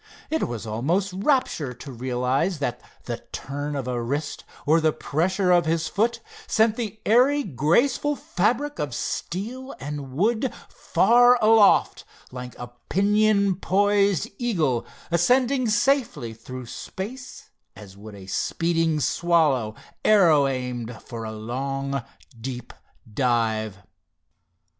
It was almost rapture to realize that the turn of a wrist, or the pressure of his foot sent the airy, graceful fabric of steel and wood far aloft, like a pinion poised eagle, ascending safely through space as would a speeding swallow arrow aimed for a long, deep dive.